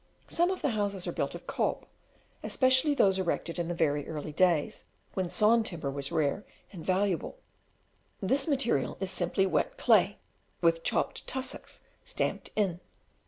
Some of the houses are built of "cob," especially those erected in the very early days, when sawn timber was rare and valuable: this material is simply wet clay with chopped tussocks stamped in.